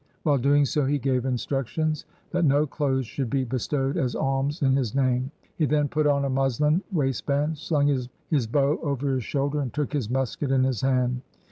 While doing so, he gave instruc tions that no clothes should be bestowed as alms in his name. He then put on a muslin waist band, slung his bow on his shoulder and took his musket in his hand.